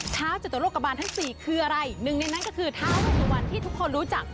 จตุโลกบาลทั้งสี่คืออะไรหนึ่งในนั้นก็คือท้าเวสุวรรณที่ทุกคนรู้จัก